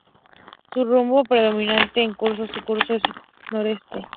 Su rumbo predominante en todo su curso es el nordeste.